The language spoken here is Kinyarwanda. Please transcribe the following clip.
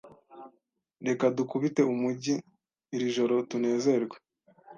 Reka dukubite umujyi iri joro tunezerwe.